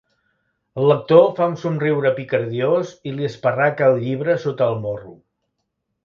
El lector fa un somriure picardiós i li esparraca el llibre sota el morro.